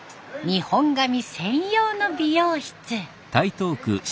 日本髪専用の美容室。